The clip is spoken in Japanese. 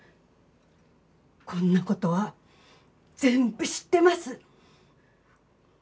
こんな事は全部知ってます！